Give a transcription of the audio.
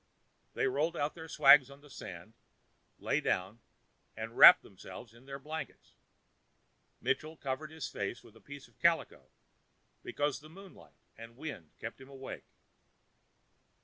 They rolled out their swags on the sand, lay down, and wrapped themselves in their blankets. Mitchell covered his face with a piece of calico, because the moonlight and wind kept him awake.